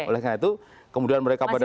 sehingga itu kemudian mereka pada